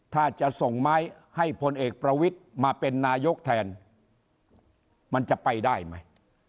ถ้าจะส่งไม้ให้พลเอกประวิทย์มาเป็นนายกแทนมันจะไปได้ไหม